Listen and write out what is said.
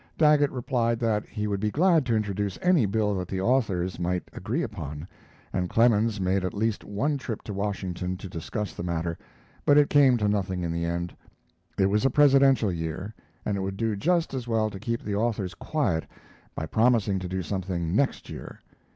Daggett replied that he would be glad to introduce any bill that the authors might agree upon, and Clemens made at least one trip to Washington to discuss the matter, but it came to nothing in the end. It was a Presidential year, and it would do just as well to keep the authors quiet by promising to do something next year.